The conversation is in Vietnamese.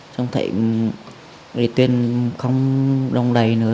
xong thấy tuyên không đông đầy nữa